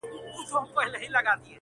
هغه خو هغه کوي، هغه خو به دی نه کوي,